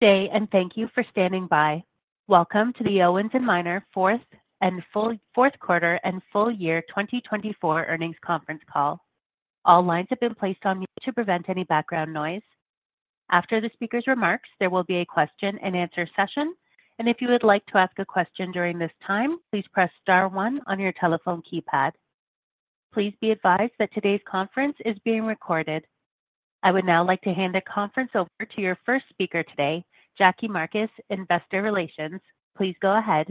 Today, and thank you for standing by. Welcome to the Owens & Minor Fourth Quarter and Full Year 2024 Earnings Conference Call. All lines have been placed on mute to prevent any background noise. After the speaker's remarks, there will be a Q&A session, and if you would like to ask a question during this time, please press star one on your telephone keypad. Please be advised that today's conference is being recorded. I would now like to hand the conference over to your first speaker today, Jackie Marcus, Investor Relations. Please go ahead.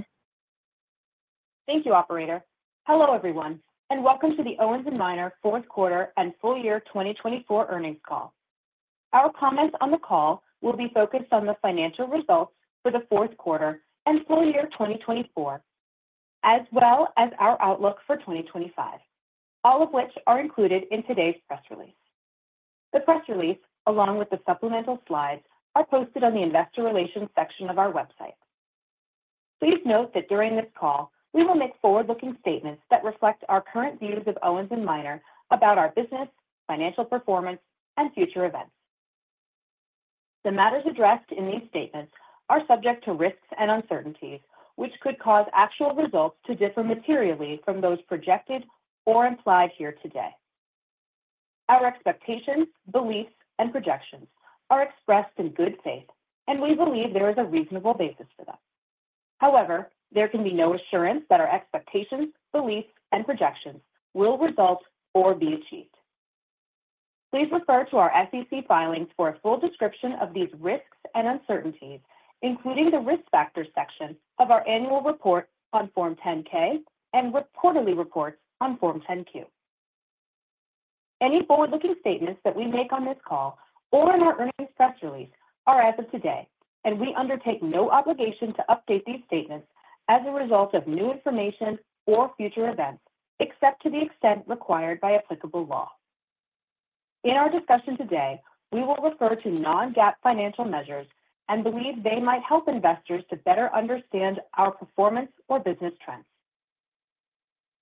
Thank you, Operator. Hello, everyone, and welcome to the Owens & Minor Fourth Quarter and Full Year 2024 Earnings Call. Our comments on the call will be focused on the financial results for the fourth quarter and full year 2024, as well as our outlook for 2025, all of which are included in today's press release. The press release, along with the supplemental slides, are posted on the Investor Relations section of our website. Please note that during this call, we will make forward-looking statements that reflect our current views of Owens & Minor about our business, financial performance, and future events. The matters addressed in these statements are subject to risks and uncertainties, which could cause actual results to differ materially from those projected or implied here today. Our expectations, beliefs, and projections are expressed in good faith, and we believe there is a reasonable basis for them. However, there can be no assurance that our expectations, beliefs, and projections will result or be achieved. Please refer to our SEC filings for a full description of these risks and uncertainties, including the risk factor section of our annual report on Form 10-K and quarterly reports on Form 10-Q. Any forward-looking statements that we make on this call or in our earnings press release are as of today, and we undertake no obligation to update these statements as a result of new information or future events, except to the extent required by applicable law. In our discussion today, we will refer to non-GAAP financial measures and believe they might help investors to better understand our performance or business trends.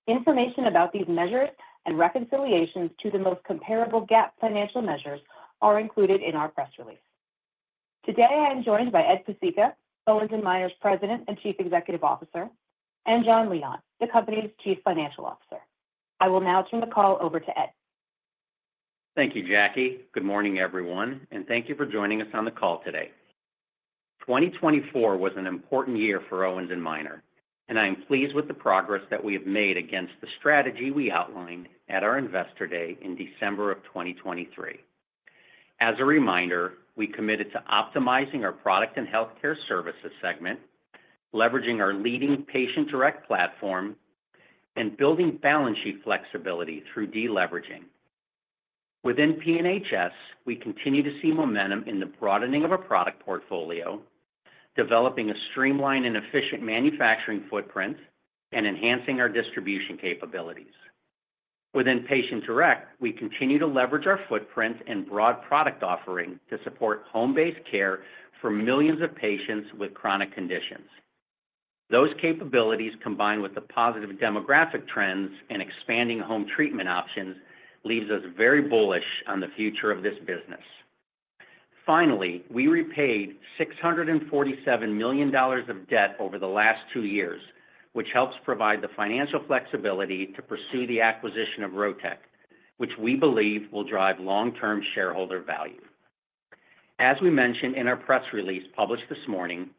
Information about these measures and reconciliations to the most comparable GAAP financial measures are included in our press release. Today, I am joined by Ed Pesicka, Owens & Minor's President and Chief Executive Officer, and Jon Leon, the company's Chief Financial Officer. I will now turn the call over to Ed. Thank you, Jackie. Good morning, everyone, and thank you for joining us on the call today. 2024 was an important year for Owens & Minor, and I am pleased with the progress that we have made against the strategy we outlined at our Investor Day in December of 2023. As a reminder, we committed to optimizing our product and healthcare services segment, leveraging our leading patient-direct platform, and building balance sheet flexibility through deleveraging. Within P&HS, we continue to see momentum in the broadening of our product portfolio, developing a streamlined and efficient manufacturing footprint, and enhancing our distribution capabilities. Within patient-direct, we continue to leverage our footprint and broad product offering to support home-based care for millions of patients with chronic conditions. Those capabilities, combined with the positive demographic trends and expanding home treatment options, leave us very bullish on the future of this business. Finally, we repaid $647 million of debt over the last two years, which helps provide the financial flexibility to pursue the acquisition of Rotech, which we believe will drive long-term shareholder value. As we mentioned in our press release published this morning,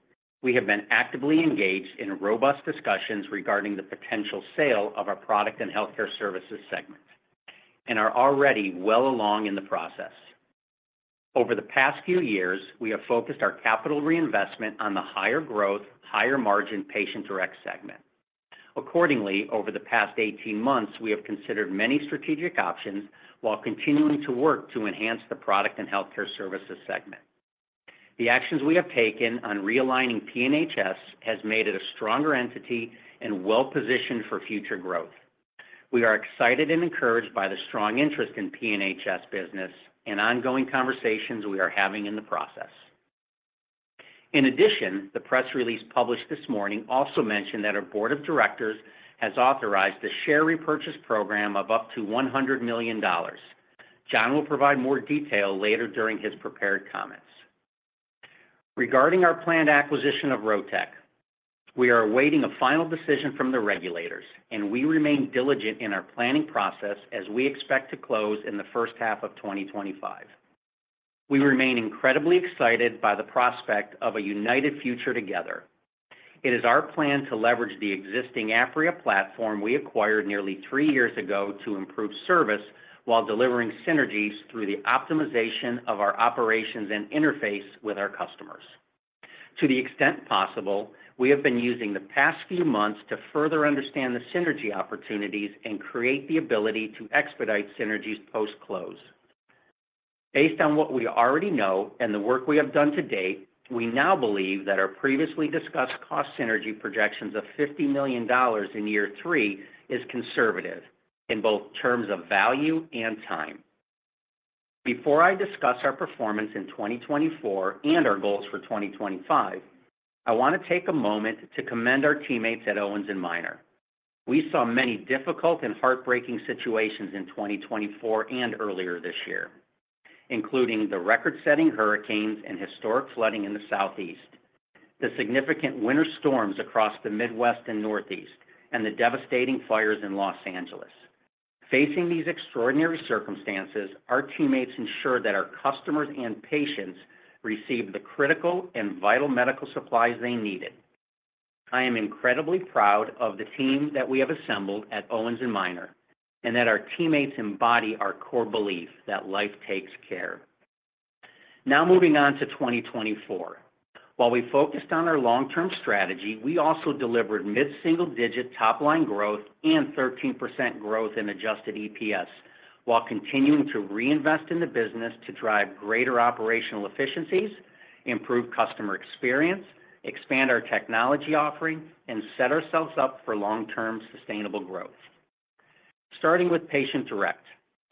we have been actively engaged in robust discussions regarding the potential sale of our product and healthcare services segment and are already well along in the process. Over the past few years, we have focused our capital reinvestment on the higher growth, higher margin patient-direct segment. Accordingly, over the past 18 months, we have considered many strategic options while continuing to work to enhance the product and healthcare services segment. The actions we have taken on realigning P&HS have made it a stronger entity and well-positioned for future growth. We are excited and encouraged by the strong interest in P&HS business and ongoing conversations we are having in the process. In addition, the press release published this morning also mentioned that our board of directors has authorized the share repurchase program of up to $100 million. Jon will provide more detail later during his prepared comments. Regarding our planned acquisition of Rotech, we are awaiting a final decision from the regulators, and we remain diligent in our planning process as we expect to close in the first half of 2025. We remain incredibly excited by the prospect of a united future together. It is our plan to leverage the existing Apria platform we acquired nearly three years ago to improve service while delivering synergies through the optimization of our operations and interface with our customers. To the extent possible, we have been using the past few months to further understand the synergy opportunities and create the ability to expedite synergies post-close. Based on what we already know and the work we have done to date, we now believe that our previously discussed cost synergy projections of $50 million in year three are conservative in both terms of value and time. Before I discuss our performance in 2024 and our goals for 2025, I want to take a moment to commend our teammates at Owens & Minor. We saw many difficult and heartbreaking situations in 2024 and earlier this year, including the record-setting hurricanes and historic flooding in the Southeast, the significant winter storms across the Midwest and Northeast, and the devastating fires in Los Angeles. Facing these extraordinary circumstances, our teammates ensured that our customers and patients received the critical and vital medical supplies they needed. I am incredibly proud of the team that we have assembled at Owens & Minor and that our teammates embody our core belief that life takes care. Now moving on to 2024, while we focused on our long-term strategy, we also delivered mid-single-digit top-line growth and 13% growth in adjusted EPS while continuing to reinvest in the business to drive greater operational efficiencies, improve customer experience, expand our technology offering, and set ourselves up for long-term sustainable growth. Starting with patient-direct,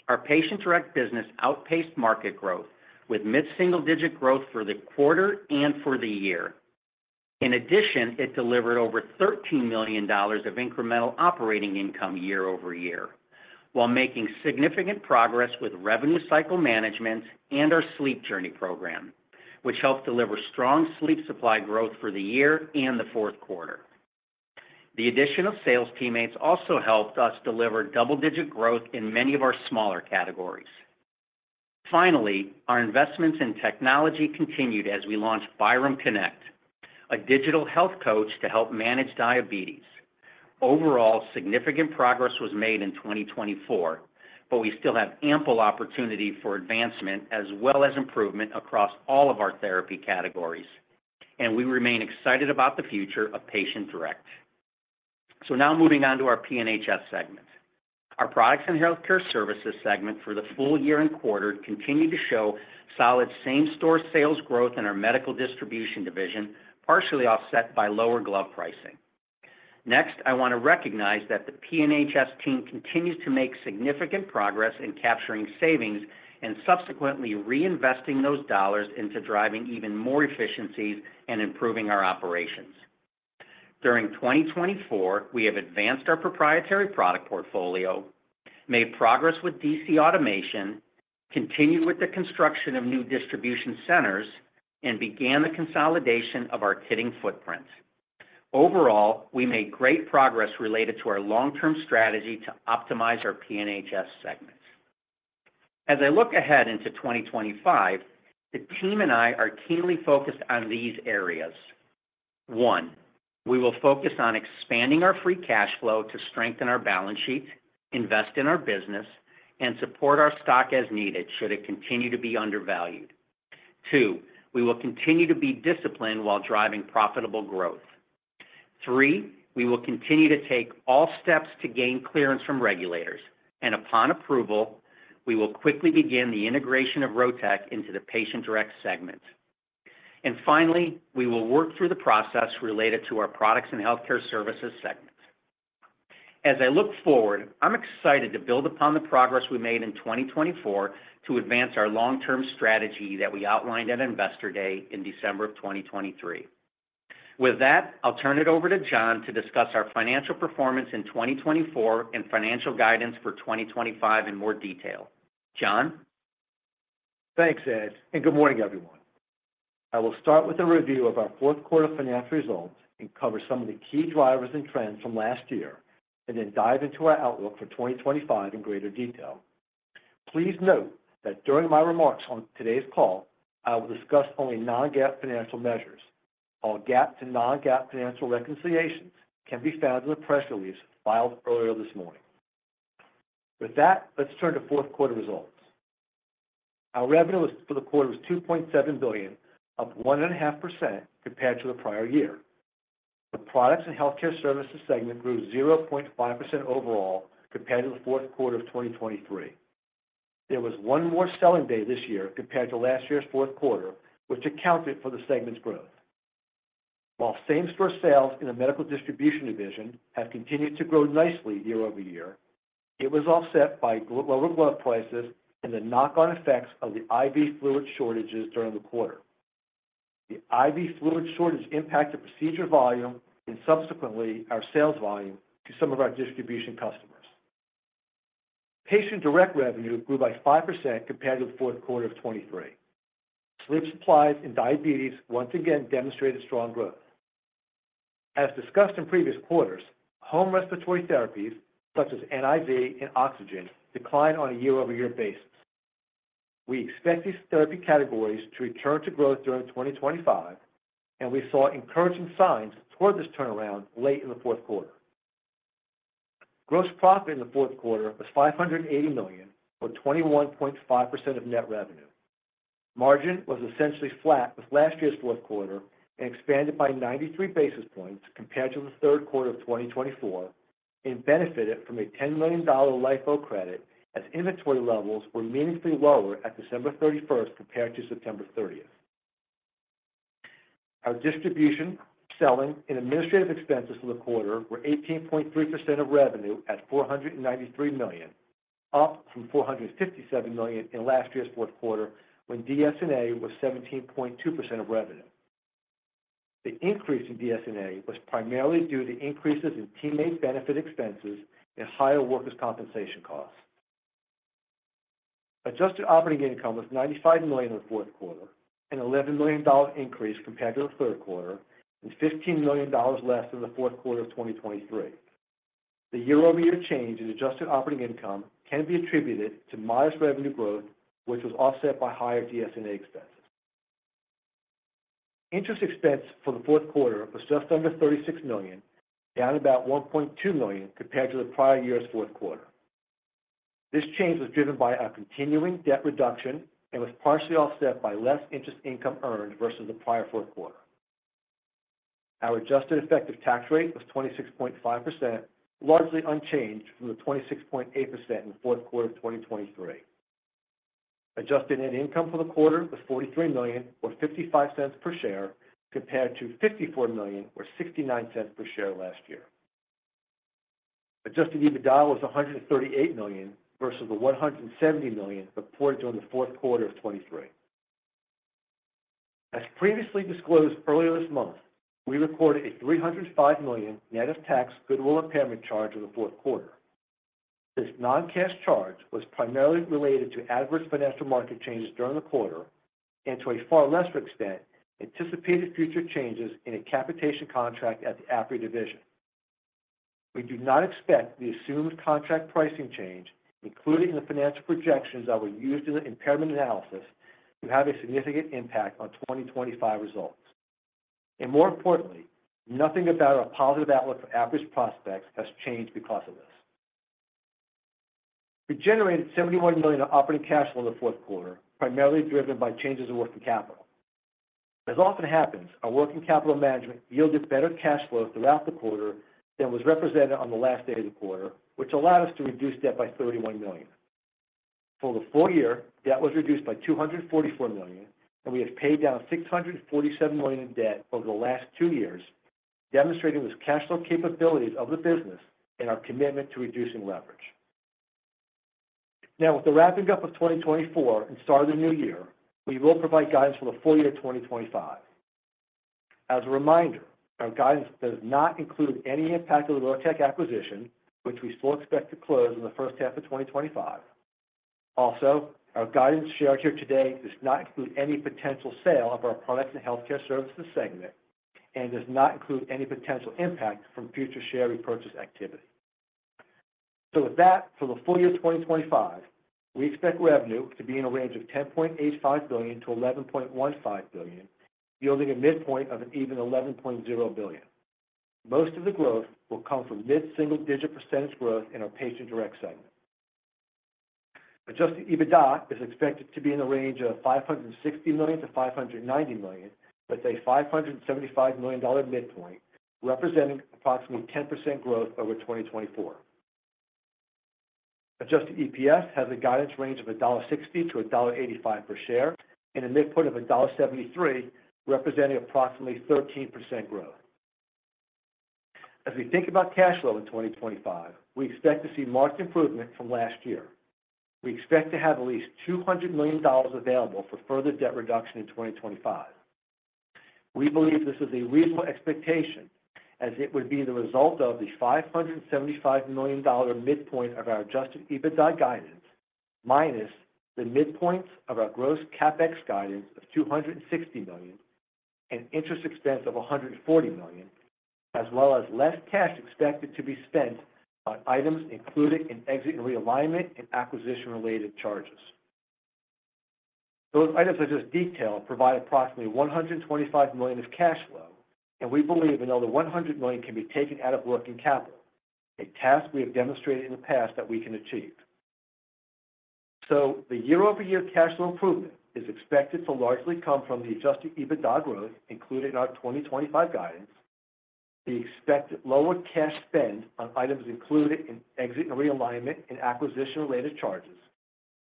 our patient-direct business outpaced market growth with mid-single-digit growth for the quarter and for the year. In addition, it delivered over $13 million of incremental operating income year over year while making significant progress with revenue cycle management and our sleep journey program, which helped deliver strong sleep supply growth for the year and the fourth quarter. The addition of sales teammates also helped us deliver double-digit growth in many of our smaller categories. Finally, our investments in technology continued as we launched ByramConnect, a digital health coach to help manage diabetes. Overall, significant progress was made in 2024, but we still have ample opportunity for advancement as well as improvement across all of our therapy categories, and we remain excited about the future of patient-direct. Now moving on to our P&HS segment. Our products and healthcare services segment for the full year and quarter continued to show solid same-store sales growth in our medical distribution division, partially offset by lower glove pricing. Next, I want to recognize that the P&HS team continues to make significant progress in capturing savings and subsequently reinvesting those dollars into driving even more efficiencies and improving our operations. During 2024, we have advanced our proprietary product portfolio, made progress with DC automation, continued with the construction of new distribution centers, and began the consolidation of our fitting footprint. Overall, we made great progress related to our long-term strategy to optimize our P&HS segments. As I look ahead into 2025, the team and I are keenly focused on these areas. One, we will focus on expanding our free cash flow to strengthen our balance sheet, invest in our business, and support our stock as needed should it continue to be undervalued. Two, we will continue to be disciplined while driving profitable growth. Three, we will continue to take all steps to gain clearance from regulators, and upon approval, we will quickly begin the integration of Rotech into the patient-direct segment. Finally, we will work through the process related to our products and healthcare services segments. As I look forward, I'm excited to build upon the progress we made in 2024 to advance our long-term strategy that we outlined at Investor Day in December of 2023. With that, I'll turn it over to Jon to discuss our financial performance in 2024 and financial guidance for 2025 in more detail. Jon. Thanks, Ed, and good morning, everyone. I will start with a review of our fourth quarter financial results and cover some of the key drivers and trends from last year, and then dive into our outlook for 2025 in greater detail. Please note that during my remarks on today's call, I will discuss only non-GAAP financial measures. All GAAP to non-GAAP financial reconciliations can be found in the press release filed earlier this morning. With that, let's turn to fourth quarter results. Our revenue for the quarter was $2.7 billion, up 1.5% compared to the prior year. The products and healthcare services segment grew 0.5% overall compared to the fourth quarter of 2023. There was one more selling day this year compared to last year's fourth quarter, which accounted for the segment's growth. While same-store sales in the medical distribution division have continued to grow nicely year-over-year, it was offset by lower glove prices and the knock-on effects of the IV fluid shortages during the quarter. The IV fluid shortage impacted procedure volume and subsequently our sales volume to some of our distribution customers. Patient-direct revenue grew by 5% compared to the fourth quarter of 2023. Sleep supplies and diabetes once again demonstrated strong growth. As discussed in previous quarters, home respiratory therapies such as NIV and oxygen declined on a year-over-year basis. We expect these therapy categories to return to growth during 2025, and we saw encouraging signs toward this turnaround late in the fourth quarter. Gross profit in the fourth quarter was $580 million, or 21.5% of net revenue. Margin was essentially flat with last year's fourth quarter and expanded by 93 basis points compared to the third quarter of 2024 and benefited from a $10 million LIFO credit as inventory levels were meaningfully lower at December 31st compared to September 30th. Our distribution, selling, and administrative expenses for the quarter were 18.3% of revenue at $493 million, up from $457 million in last year's fourth quarter when DS&A was 17.2% of revenue. The increase in DS&A was primarily due to increases in teammate benefit expenses and higher workers' compensation costs. Adjusted operating income was $95 million in the fourth quarter, an $11 million increase compared to the third quarter, and $15 million less than the fourth quarter of 2023. The year-over-year change in adjusted operating income can be attributed to modest revenue growth, which was offset by higher DS&A expenses. Interest expense for the fourth quarter was just under $36 million, down about $1.2 million compared to the prior year's fourth quarter. This change was driven by a continuing debt reduction and was partially offset by less interest income earned versus the prior fourth quarter. Our adjusted effective tax rate was 26.5%, largely unchanged from the 26.8% in the fourth quarter of 2023. Adjusted net income for the quarter was $43 million, or $0.55 per share, compared to $54 million, or $0.69 per share last year. Adjusted EBITDA was $138 million versus the $170 million reported during the fourth quarter of 2023. As previously disclosed earlier this month, we recorded a $305 million net-of-tax goodwill impairment charge in the fourth quarter. This non-cash charge was primarily related to adverse financial market changes during the quarter and, to a far lesser extent, anticipated future changes in a capitation contract at the Apria division. We do not expect the assumed contract pricing change, including the financial projections that were used in the impairment analysis, to have a significant impact on 2025 results. More importantly, nothing about our positive outlook for Apria's prospects has changed because of this. We generated $71 million in operating cash flow in the fourth quarter, primarily driven by changes in working capital. As often happens, our working capital management yielded better cash flow throughout the quarter than was represented on the last day of the quarter, which allowed us to reduce debt by $31 million. For the full year, debt was reduced by $244 million, and we have paid down $647 million in debt over the last two years, demonstrating the cash flow capabilities of the business and our commitment to reducing leverage. Now, with the wrapping up of 2024 and start of the new year, we will provide guidance for the full year of 2025. As a reminder, our guidance does not include any impact of the Rotech acquisition, which we still expect to close in the first half of 2025. Also, our guidance shared here today does not include any potential sale of our products and healthcare services segment and does not include any potential impact from future share repurchase activity. For the full year of 2025, we expect revenue to be in a range of $10.85 billion-$11.15 billion, yielding a midpoint of an even $11.0 billion. Most of the growth will come from mid-single-digit % growth in our patient-direct segment. Adjusted EBITDA is expected to be in the range of $560 million-$590 million, with a $575 million midpoint representing approximately 10% growth over 2024. Adjusted EPS has a guidance range of $1.60-$1.85 per share and a midpoint of $1.73, representing approximately 13% growth. As we think about cash flow in 2025, we expect to see marked improvement from last year. We expect to have at least $200 million available for further debt reduction in 2025. We believe this is a reasonable expectation as it would be the result of the $575 million midpoint of our adjusted EBITDA guidance, minus the midpoint of our gross CapEx guidance of $260 million and interest expense of $140 million, as well as less cash expected to be spent on items included in exit and realignment and acquisition-related charges. Those items are just detail provide approximately $125 million of cash flow, and we believe another $100 million can be taken out of working capital, a task we have demonstrated in the past that we can achieve. The year-over-year cash flow improvement is expected to largely come from the adjusted EBITDA growth included in our 2025 guidance, the expected lower cash spend on items included in exit and realignment and acquisition-related charges,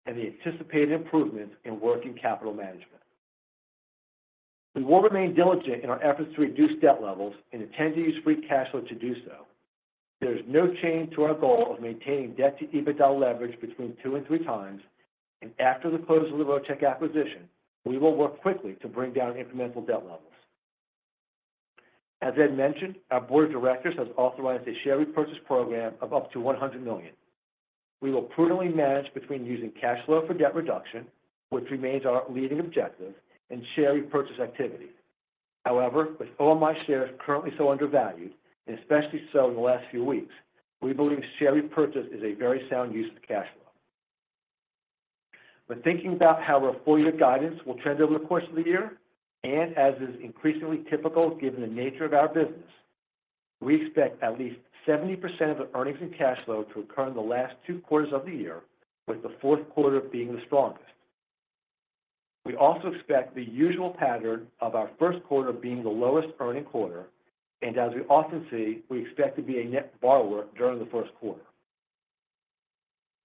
and the anticipated improvement in working capital management. We will remain diligent in our efforts to reduce debt levels and attend to use free cash flow to do so. There is no change to our goal of maintaining debt-to-EBITDA leverage between two and three times, and after the close of the Rotech acquisition, we will work quickly to bring down incremental debt levels. As Ed mentioned, our board of directors has authorized a share repurchase program of up to $100 million. We will prudently manage between using cash flow for debt reduction, which remains our leading objective, and share repurchase activity. However, with OMI shares currently so undervalued, and especially so in the last few weeks, we believe share repurchase is a very sound use of cash flow. When thinking about how our full year guidance will trend over the course of the year, and as is increasingly typical given the nature of our business, we expect at least 70% of the earnings and cash flow to occur in the last two quarters of the year, with the fourth quarter being the strongest. We also expect the usual pattern of our first quarter being the lowest earning quarter, and as we often see, we expect to be a net borrower during the first quarter.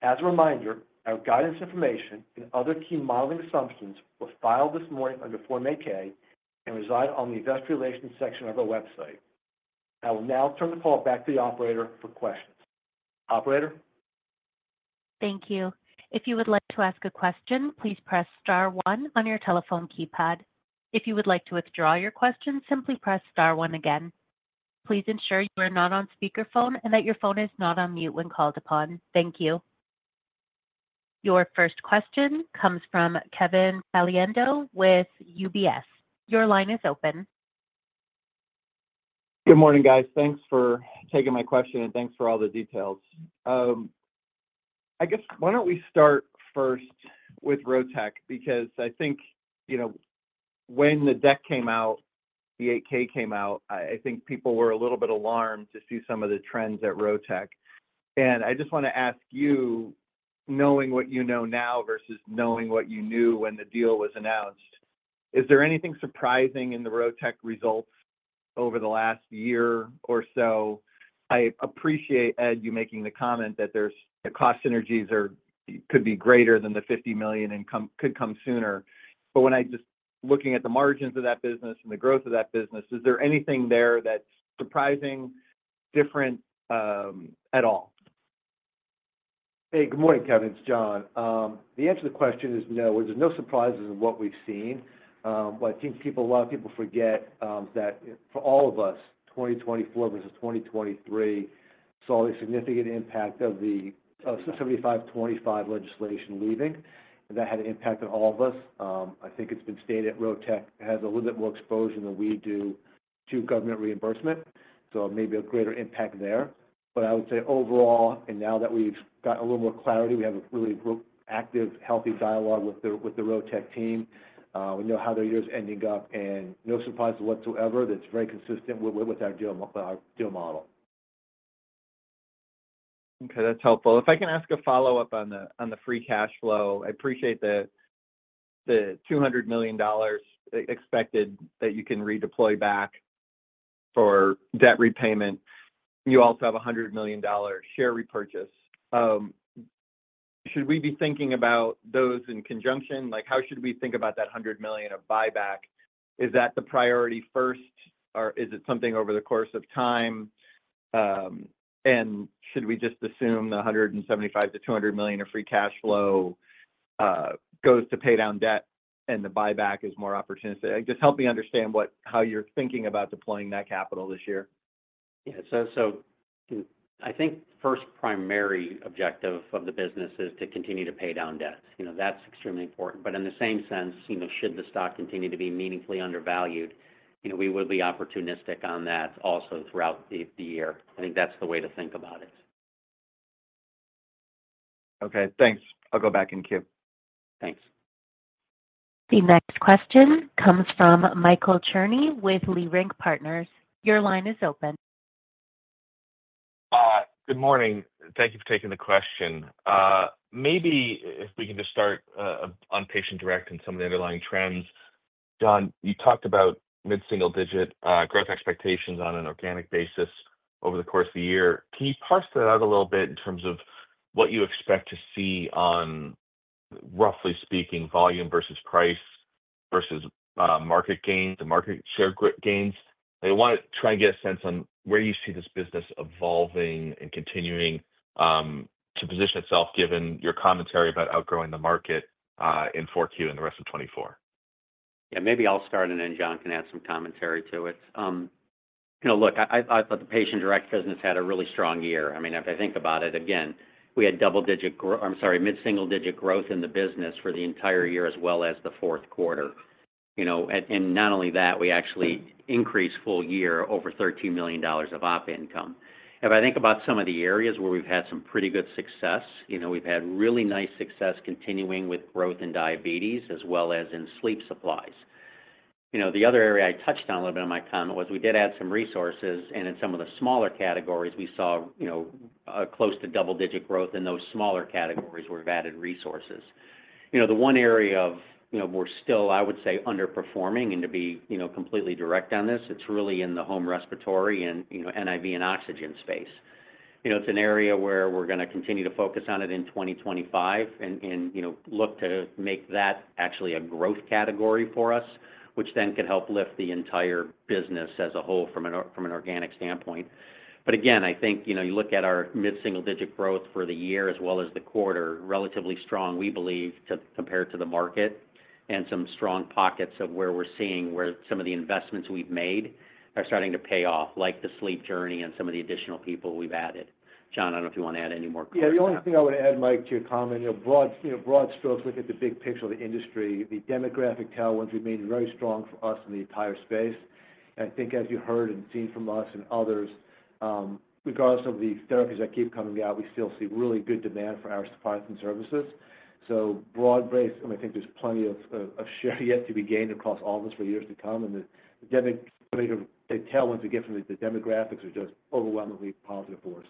As a reminder, our guidance information and other key modeling assumptions were filed this morning under Form 8-K and reside on the investor relations section of our website. I will now turn the call back to the operator for questions. Operator. Thank you. If you would like to ask a question, please press star one on your telephone keypad. If you would like to withdraw your question, simply press star one again. Please ensure you are not on speakerphone and that your phone is not on mute when called upon. Thank you. Your first question comes from Kevin Caliendo with UBS. Your line is open. Good morning, guys. Thanks for taking my question and thanks for all the details. I guess, why don't we start first with Rotech because I think when the deck came out, the Form 8-K came out, I think people were a little bit alarmed to see some of the trends at Rotech. I just want to ask you, knowing what you know now versus knowing what you knew when the deal was announced, is there anything surprising in the Rotech results over the last year or so? I appreciate, Ed, you making the comment that the cost synergies could be greater than the $50 million and could come sooner. When I just looking at the margins of that business and the growth of that business, is there anything there that's surprising, different at all? Hey, good morning, Kevin. It's Jon. The answer to the question is no. There are no surprises in what we've seen. I think a lot of people forget that for all of us, 2024 versus 2023 saw a significant impact of the 75/25 legislation leaving, and that had an impact on all of us. I think it's been stated that Rotech has a little bit more exposure than we do to government reimbursement, so maybe a greater impact there. I would say overall, now that we've got a little more clarity, we have a really active, healthy dialogue with the Rotech team. We know how their year is ending up, and no surprises whatsoever. That's very consistent with our deal model. Okay. That's helpful. If I can ask a follow-up on the free cash flow, I appreciate the $200 million expected that you can redeploy back for debt repayment. You also have a $100 million share repurchase. Should we be thinking about those in conjunction? How should we think about that $100 million of buyback? Is that the priority first, or is it something over the course of time? Should we just assume the $175-$200 million of free cash flow goes to pay down debt and the buyback is more opportunistic? Just help me understand how you're thinking about deploying that capital this year. Yeah. I think the first primary objective of the business is to continue to pay down debts. That's extremely important. In the same sense, should the stock continue to be meaningfully undervalued, we will be opportunistic on that also throughout the year. I think that's the way to think about it. Okay. Thanks. I'll go back in queue. Thanks. The next question comes from Michael Cherny with Leerink Partners. Your line is open. Good morning. Thank you for taking the question. Maybe if we can just start on patient direct and some of the underlying trends. Jon, you talked about mid-single-digit growth expectations on an organic basis over the course of the year. Can you parse that out a little bit in terms of what you expect to see on, roughly speaking, volume versus price versus market gains, the market share gains? I want to try and get a sense on where you see this business evolving and continuing to position itself given your commentary about outgrowing the market in 4Q and the rest of 2024. Yeah. Maybe I'll start, and then Jon can add some commentary to it. Look, I thought the patient-direct business had a really strong year. I mean, if I think about it again, we had mid-single-digit growth in the business for the entire year as well as the fourth quarter. Not only that, we actually increased full year over $13 million of OP income. If I think about some of the areas where we've had some pretty good success, we've had really nice success continuing with growth in diabetes as well as in sleep supplies. The other area I touched on a little bit in my comment was we did add some resources, and in some of the smaller categories, we saw close to double-digit growth in those smaller categories where we've added resources. The one area where we're still, I would say, underperforming, and to be completely direct on this, it's really in the home respiratory and NIV and oxygen space. It's an area where we're going to continue to focus on it in 2025 and look to make that actually a growth category for us, which then could help lift the entire business as a whole from an organic standpoint. I think you look at our mid-single-digit growth for the year as well as the quarter, relatively strong, we believe, compared to the market, and some strong pockets of where we're seeing where some of the investments we've made are starting to pay off, like the sleep journey and some of the additional people we've added. Jon, I don't know if you want to add any more questions. Yeah. The only thing I would add, Mike, to your comment, broad strokes, look at the big picture of the industry. The demographic talent remains very strong for us in the entire space. I think, as you heard and seen from us and others, regardless of the therapies that keep coming out, we still see really good demand for our supplies and services. Broad-based, I think there's plenty of share yet to be gained across all of us for years to come. The demographic talent we get from the demographics is just overwhelmingly positive for us.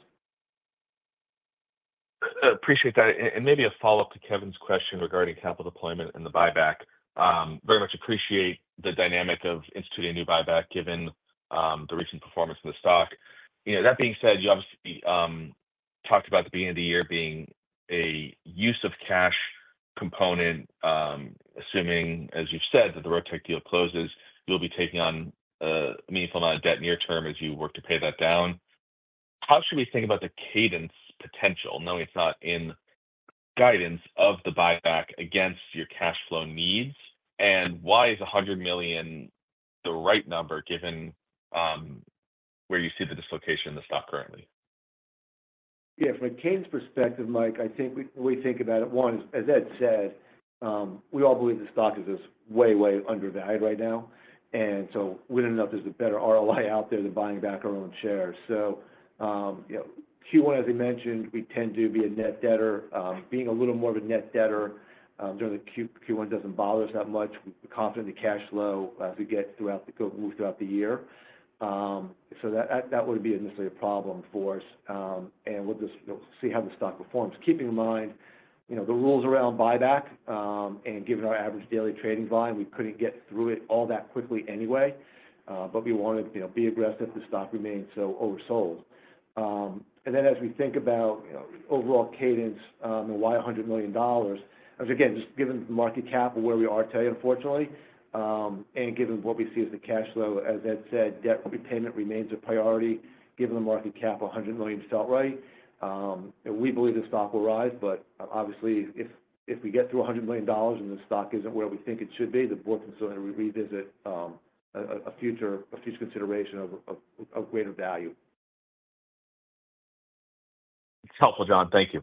Appreciate that. Maybe a follow-up to Kevin's question regarding capital deployment and the buyback. Very much appreciate the dynamic of instituting a new buyback given the recent performance of the stock. That being said, you obviously talked about the beginning of the year being a use of cash component, assuming, as you've said, that the Rotech deal closes, you'll be taking on a meaningful amount of debt near term as you work to pay that down. How should we think about the cadence potential, knowing it's not in guidance of the buyback against your cash flow needs? Why is $100 million the right number given where you see the dislocation in the stock currently? Yeah. From a cadence perspective, Mike, I think the way we think about it, one, as Ed said, we all believe the stock is just way, way undervalued right now. Wouldn't it help if there's a better ROI out there than buying back our own shares? Q1, as I mentioned, we tend to be a net debtor. Being a little more of a net debtor during the Q1 doesn't bother us that much. We're confident in the cash flow as we get throughout the year. That wouldn't be necessarily a problem for us. We'll just see how the stock performs. Keeping in mind the rules around buyback and given our average daily trading volume, we couldn't get through it all that quickly anyway. We want to be aggressive. The stock remains so oversold. As we think about overall cadence and why $100 million, again, just given the market cap of where we are today, unfortunately, and given what we see as the cash flow, as Ed said, debt repayment remains a priority. Given the market cap of $100 million, it felt right. We believe the stock will rise, but obviously, if we get through $100 million and the stock is not where we think it should be, the board can certainly revisit a future consideration of greater value. It's helpful, Jon. Thank you.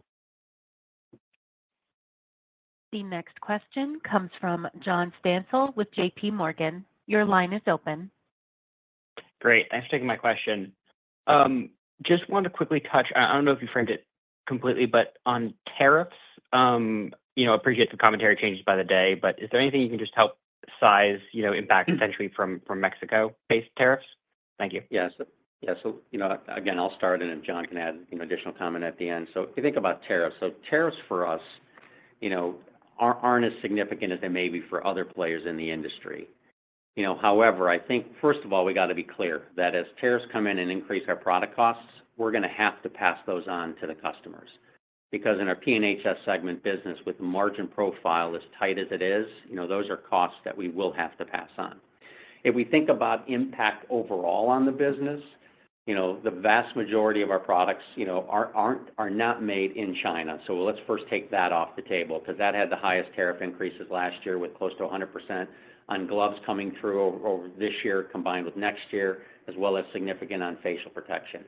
The next question comes from John Stansel with JPMorgan. Your line is open. Great. Thanks for taking my question. Just wanted to quickly touch—I do not know if you framed it completely—but on tariffs, I appreciate the commentary changes by the day. Is there anything you can just help size impact potentially from Mexico-based tariffs? Thank you. Yeah. Again, I'll start, and then Jon can add an additional comment at the end. If you think about tariffs, tariffs for us aren't as significant as they may be for other players in the industry. However, I think, first of all, we got to be clear that as tariffs come in and increase our product costs, we're going to have to pass those on to the customers. Because in our P&HS segment business, with the margin profile as tight as it is, those are costs that we will have to pass on. If we think about impact overall on the business, the vast majority of our products are not made in China. Let's first take that off the table because that had the highest tariff increases last year with close to 100% on gloves coming through over this year combined with next year, as well as significant on facial protection.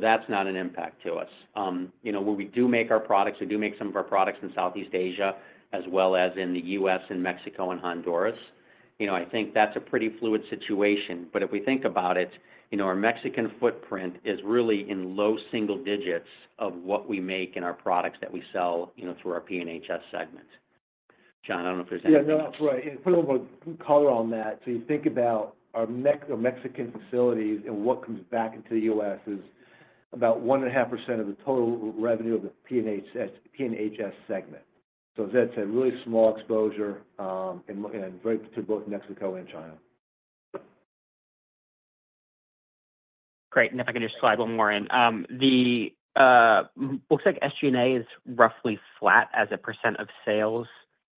That's not an impact to us. Where we do make our products, we do make some of our products in Southeast Asia as well as in the U.S. and Mexico and Honduras. I think that's a pretty fluid situation. If we think about it, our Mexican footprint is really in low single-digits of what we make in our products that we sell through our P&HS segment. Jon, I don't know if there's anything else. Yeah. No, that's right. Put a little bit of color on that. You think about our Mexican facilities and what comes back into the U.S. is about 1.5% of the total revenue of the P&HS segment. As Ed said, really small exposure to both Mexico and China. Great. If I can just slide one more in. It looks like SG&A is roughly flat as a % of sales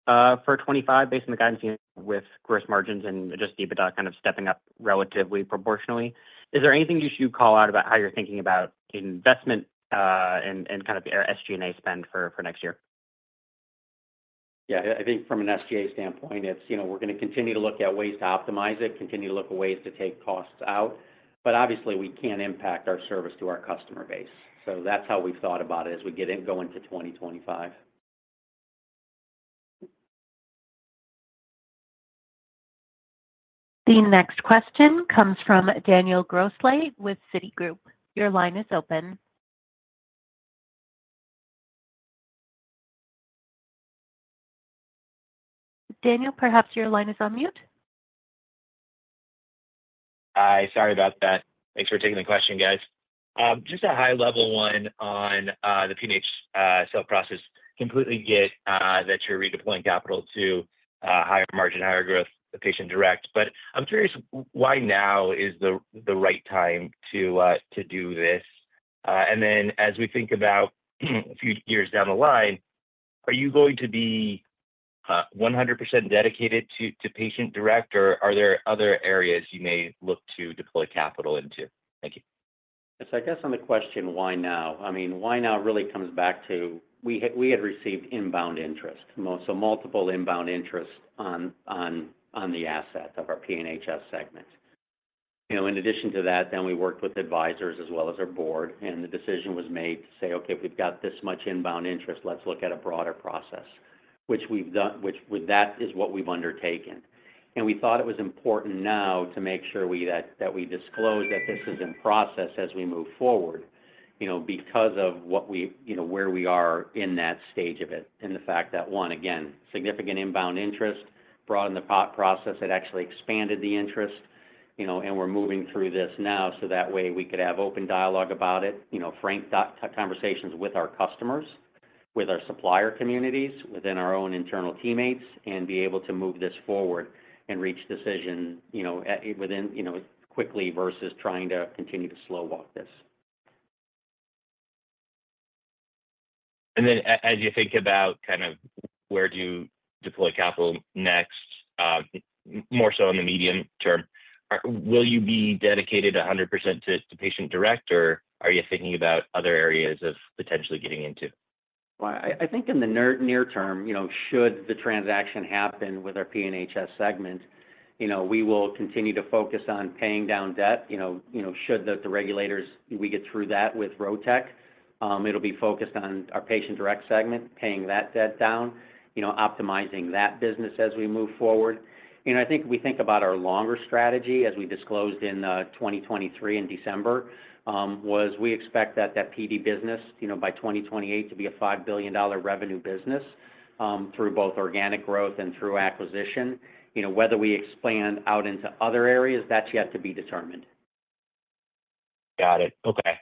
for 2025 based on the guidance. With gross margins and just EBITDA kind of stepping up relatively proportionally. Is there anything you should call out about how you're thinking about investment and kind of your SG&A spend for next year? Yeah. I think from an SG&A standpoint, we're going to continue to look at ways to optimize it, continue to look at ways to take costs out. Obviously, we can't impact our service to our customer base. That's how we've thought about it as we go into 2025. The next question comes from Daniel Grosslight with Citigroup. Your line is open. Daniel, perhaps your line is on mute. Hi. Sorry about that. Thanks for taking the question, guys. Just a high-level one on the P&HS sales process. Completely get that you're redeploying capital to higher margin, higher growth, the patient direct. I'm curious, why now is the right time to do this? As we think about a few years down the line, are you going to be 100% dedicated to patient direct, or are there other areas you may look to deploy capital into? Thank you. I guess on the question, why now? I mean, why now really comes back to we had received inbound interest, so multiple inbound interests on the asset of our P&HS segment. In addition to that, then we worked with advisors as well as our board, and the decision was made to say, "Okay, if we've got this much inbound interest, let's look at a broader process," which that is what we've undertaken. We thought it was important now to make sure that we disclose that this is in process as we move forward because of where we are in that stage of it. The fact that, one, again, significant inbound interest broadened the process. It actually expanded the interest, and we're moving through this now so that way we could have open dialogue about it, frank conversations with our customers, with our supplier communities, within our own internal teammates, and be able to move this forward and reach decision within quickly versus trying to continue to slow walk this. As you think about kind of where do you deploy capital next, more so in the medium term, will you be dedicated 100% to patient direct, or are you thinking about other areas of potentially getting into? I think in the near term, should the transaction happen with our P&HS segment, we will continue to focus on paying down debt. Should the regulators, we get through that with Rotech, it'll be focused on our patient direct segment, paying that debt down, optimizing that business as we move forward. I think if we think about our longer strategy, as we disclosed in 2023 in December, was we expect that that PD business by 2028 to be a $5 billion revenue business through both organic growth and through acquisition. Whether we expand out into other areas, that's yet to be determined. Got it. Okay.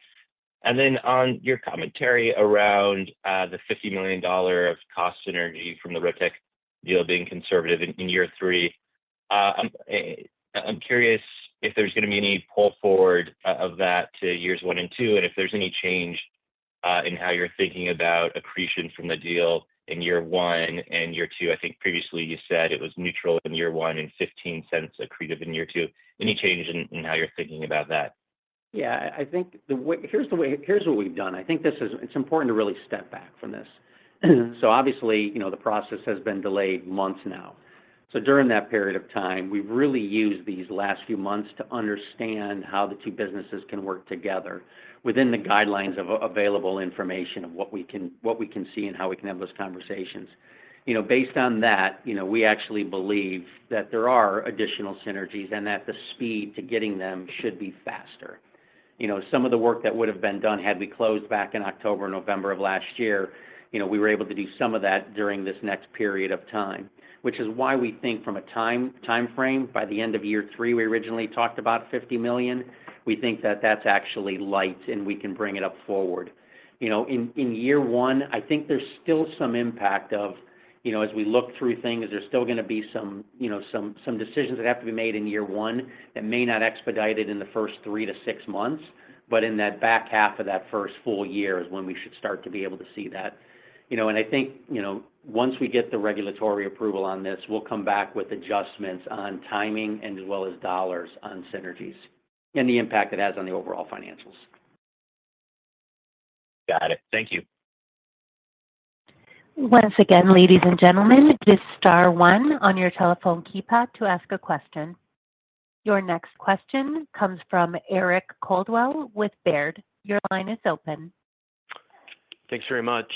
On your commentary around the $50 million of cost synergy from the Rotech deal being conservative in year three, I'm curious if there's going to be any pull forward of that to years one and two, and if there's any change in how you're thinking about accretion from the deal in year one and year two. I think previously you said it was neutral in year one and $0.15 accretive in year two. Any change in how you're thinking about that? Yeah. Here's what we've done. I think it's important to really step back from this. Obviously, the process has been delayed months now. During that period of time, we've really used these last few months to understand how the two businesses can work together within the guidelines of available information of what we can see and how we can have those conversations. Based on that, we actually believe that there are additional synergies and that the speed to getting them should be faster. Some of the work that would have been done had we closed back in October or November of last year, we were able to do some of that during this next period of time, which is why we think from a timeframe, by the end of year three, we originally talked about $50 million. We think that that's actually light, and we can bring it up forward. In year one, I think there's still some impact of, as we look through things, there's still going to be some decisions that have to be made in year one that may not expedite it in the first three to six months. In that back half of that first full year is when we should start to be able to see that. I think once we get the regulatory approval on this, we'll come back with adjustments on timing as well as dollars on synergies and the impact it has on the overall financials. Got it. Thank you. Once again, ladies and gentlemen, this is star One on your telephone keypad to ask a question. Your next question comes from Eric Coldwell with Baird. Your line is open. Thanks very much.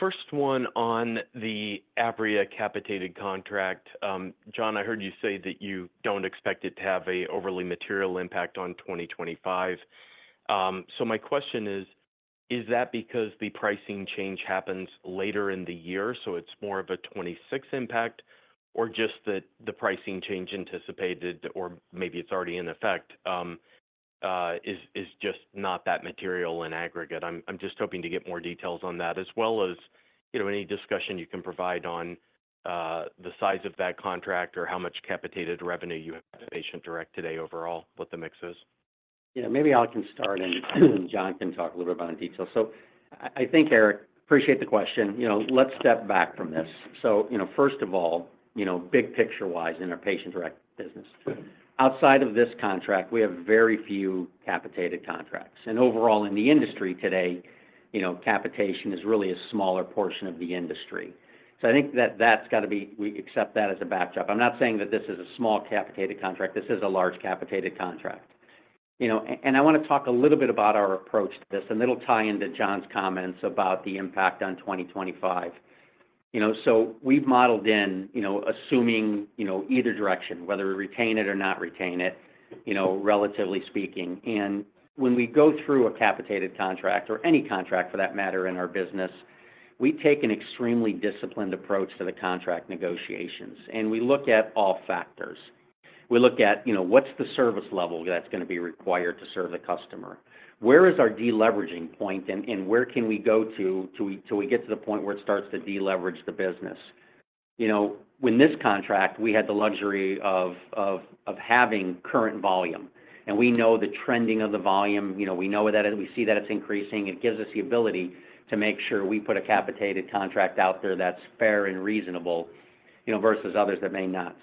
First one on the Apria capitated contract. Jon, I heard you say that you do not expect it to have an overly material impact on 2025. My question is, is that because the pricing change happens later in the year, so it is more of a 2026 impact, or just that the pricing change anticipated, or maybe it is already in effect, is just not that material in aggregate? I am just hoping to get more details on that, as well as any discussion you can provide on the size of that contract or how much capitated revenue you have for patient-direct today overall, what the mix is. Yeah. Maybe I can start, and Jon can talk a little bit about in detail. I think, Eric, appreciate the question. Let's step back from this. First of all, big picture-wise in our patient direct business. Outside of this contract, we have very few capitated contracts. Overall, in the industry today, capitation is really a smaller portion of the industry. I think that that's got to be we accept that as a backdrop. I'm not saying that this is a small capitated contract. This is a large capitated contract. I want to talk a little bit about our approach to this, and it'll tie into Jon's comments about the impact on 2025. We've modeled in assuming either direction, whether we retain it or not retain it, relatively speaking. When we go through a capitated contract or any contract for that matter in our business, we take an extremely disciplined approach to the contract negotiations, and we look at all factors. We look at what's the service level that's going to be required to serve the customer. Where is our deleveraging point, and where can we go till we get to the point where it starts to deleverage the business? With this contract, we had the luxury of having current volume, and we know the trending of the volume. We know that we see that it's increasing. It gives us the ability to make sure we put a capitated contract out there that's fair and reasonable versus others that may not.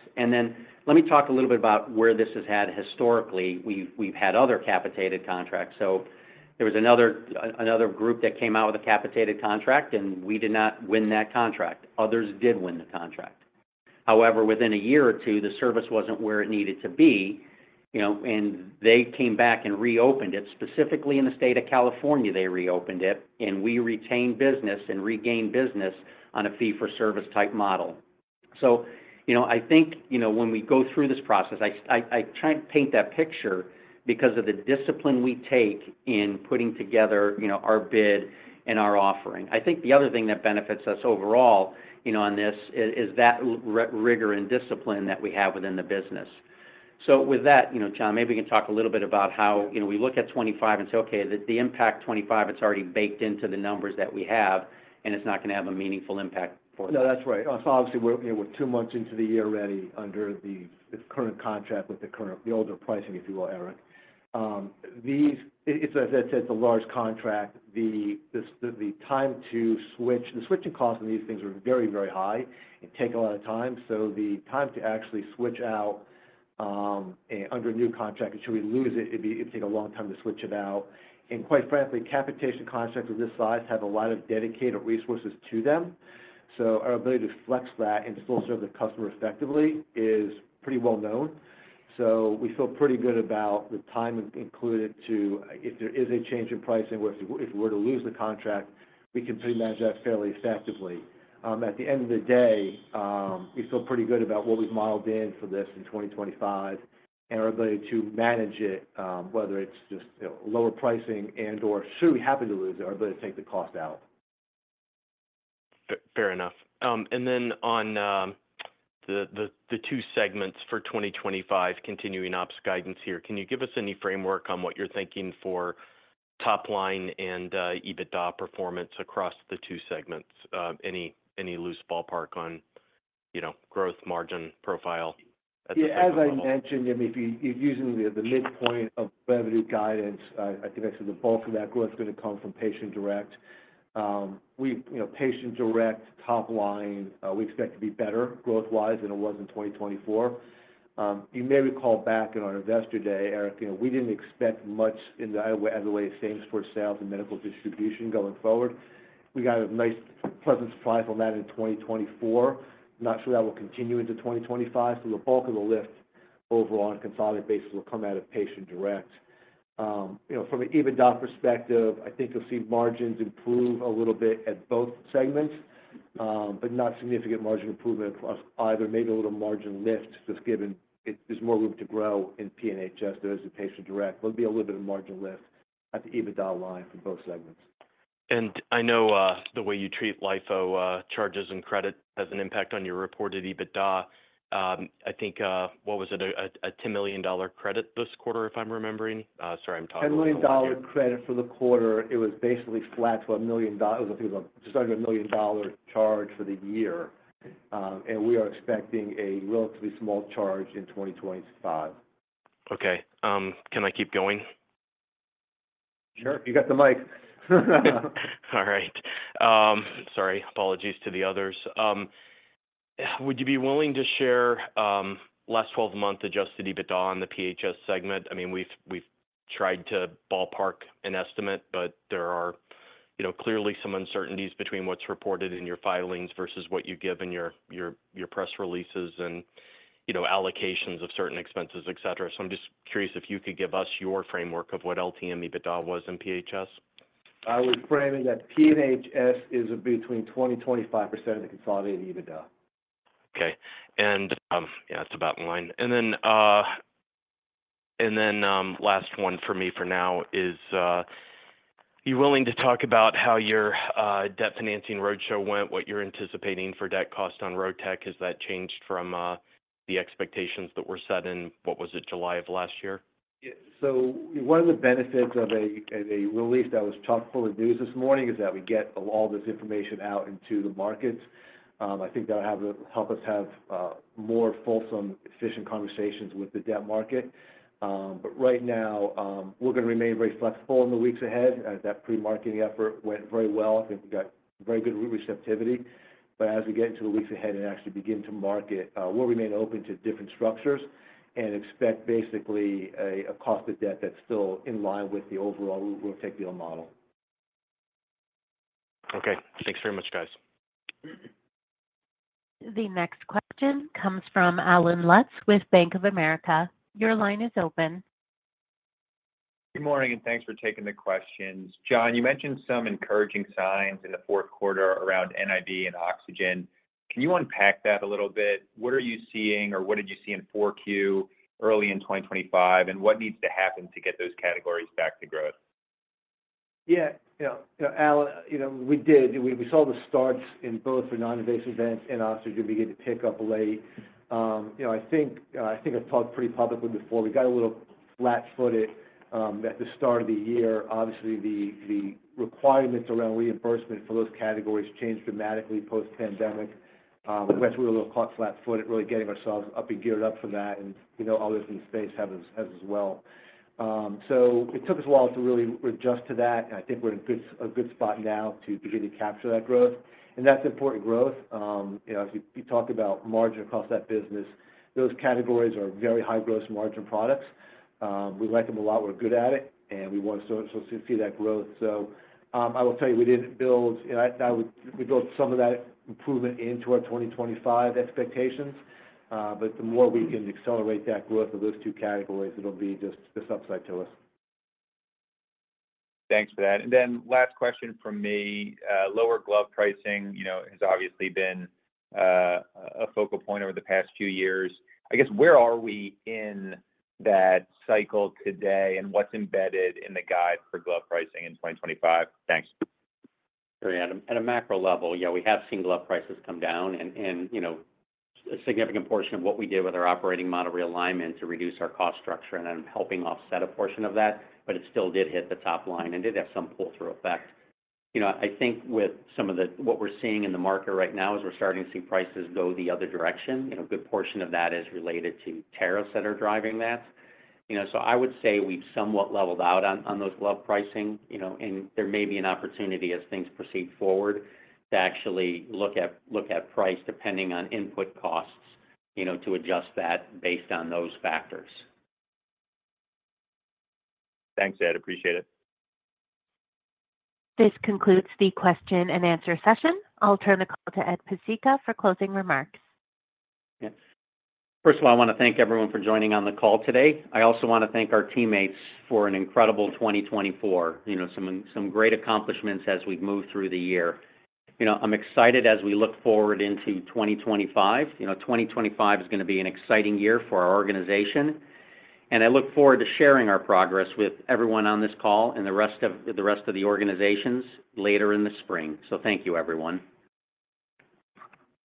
Let me talk a little bit about where this has had historically. We've had other capitated contracts. There was another group that came out with a capitated contract, and we did not win that contract. Others did win the contract. However, within a year or two, the service was not where it needed to be, and they came back and reopened it. Specifically in the state of California, they reopened it, and we retained business and regained business on a fee-for-service type model. I think when we go through this process, I try and paint that picture because of the discipline we take in putting together our bid and our offering. I think the other thing that benefits us overall on this is that rigor and discipline that we have within the business. With that, Jon, maybe we can talk a little bit about how we look at 2025 and say, "Okay, the impact 2025, it's already baked into the numbers that we have, and it's not going to have a meaningful impact for us. No, that's right. Obviously, we're two months into the year already under the current contract with the older pricing, if you will, Eric. As I said, it's a large contract. The switching costs on these things are very, very high and take a lot of time. The time to actually switch out under a new contract, until we lose it, it'd take a long time to switch it out. Quite frankly, capitation contracts of this size have a lot of dedicated resources to them. Our ability to flex that and still serve the customer effectively is pretty well known. We feel pretty good about the time included to, if there is a change in pricing or if we were to lose the contract, we can pretty much manage that fairly effectively. At the end of the day, we feel pretty good about what we've modeled in for this in 2025 and our ability to manage it, whether it's just lower pricing and/or should we happen to lose it, our ability to take the cost out. Fair enough. On the two segments for 2025 continuing ops guidance here, can you give us any framework on what you're thinking for top line and EBITDA performance across the two segments? Any loose ballpark on growth margin profile at the time? Yeah. As I mentioned, if you're using the midpoint of revenue guidance, I think that's the bulk of that growth is going to come from patient direct. Patient direct top line, we expect to be better growth-wise than it was in 2024. You may recall back in our Investor Day, Eric, we didn't expect much in the other way of same-store sales and medical distribution going forward. We got a nice pleasant surprise on that in 2024. I'm not sure that will continue into 2025. The bulk of the lift overall on a consolidated basis will come out of patient direct. From an EBITDA perspective, I think you'll see margins improve a little bit at both segments, but not significant margin improvement across either. Maybe a little margin lift just given there's more room to grow in P&HS versus patient direct. There'll be a little bit of margin lift at the EBITDA line for both segments. I know the way you treat LIFO charges and credit has an impact on your reported EBITDA. I think, what was it, a $10 million credit this quarter, if I'm remembering? Sorry, I'm talking about. $10 million credit for the quarter. It was basically flat to $1 million. I think it was just under a $1 million charge for the year. We are expecting a relatively small charge in 2025. Okay. Can I keep going? Sure. You got the mic. All right. Sorry. Apologies to the others. Would you be willing to share last 12-month adjusted EBITDA on the P&HS segment? I mean, we've tried to ballpark an estimate, but there are clearly some uncertainties between what's reported in your filings versus what you give in your press releases and allocations of certain expenses, etc. I am just curious if you could give us your framework of what LTM EBITDA was in P&HS. I would frame it that P&HS is between 20% and 25% of the consolidated EBITDA. Okay. Yeah, that's about in line. Last one for me for now is, are you willing to talk about how your debt financing roadshow went, what you're anticipating for debt cost on Rotech? Has that changed from the expectations that were set in, what was it, July of last year? Yeah. One of the benefits of a release that was tough for reviews this morning is that we get all this information out into the markets. I think that'll help us have more fulsome, efficient conversations with the debt market. Right now, we're going to remain very flexible in the weeks ahead as that pre-marketing effort went very well. I think we got very good receptivity. As we get into the weeks ahead and actually begin to market, we'll remain open to different structures and expect basically a cost of debt that's still in line with the overall Rotech deal model. Okay. Thanks very much, guys. The next question comes from Allen Lutz with Banf ok America. Your line is open. Good morning, and thanks for taking the questions. Jon, you mentioned some encouraging signs in the fourth quarter around NIV and oxygen. Can you unpack that a little bit? What are you seeing, or what did you see in 4Q early in 2025, and what needs to happen to get those categories back to growth? Yeah. Yeah. Allen, we did. We saw the starts in both the non-invasive advance and oxygen begin to pick up late. I think I've talked pretty publicly before. We got a little flat-footed at the start of the year. Obviously, the requirements around reimbursement for those categories changed dramatically post-pandemic. We went through a little flat-footed, really getting ourselves up and geared up for that, and others in the space have as well. It took us a while to really adjust to that, and I think we're in a good spot now to begin to capture that growth. That's important growth. You talk about margin across that business. Those categories are very high-growth margin products. We like them a lot. We're good at it, and we want to see that growth. I will tell you, we did not build, we built some of that improvement into our 2025 expectations, but the more we can accelerate that growth of those two categories, it will be just upside to us. Thanks for that. Last question from me. Lower glove pricing has obviously been a focal point over the past few years. I guess, where are we in that cycle today, and what's embedded in the guide for glove pricing in 2025? Thanks. Very good. At a macro level, yeah, we have seen glove prices come down, and a significant portion of what we did with our operating model realignment to reduce our cost structure and then helping offset a portion of that, but it still did hit the top line and did have some pull-through effect. I think with some of what we're seeing in the market right now is we're starting to see prices go the other direction. A good portion of that is related to tariffs that are driving that. I would say we've somewhat leveled out on those glove pricing, and there may be an opportunity as things proceed forward to actually look at price depending on input costs to adjust that based on those factors. Thanks, Ed. Appreciate it. This concludes the question and answer session. I'll turn the call to Ed Pesicka for closing remarks. Yeah. First of all, I want to thank everyone for joining on the call today. I also want to thank our teammates for an incredible 2024, some great accomplishments as we've moved through the year. I'm excited as we look forward into 2025. 2025 is going to be an exciting year for our organization, and I look forward to sharing our progress with everyone on this call and the rest of the organizations later in the spring. Thank you, everyone.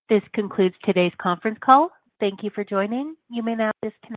This concludes today's conference call. Thank you for joining. You may now disconnect.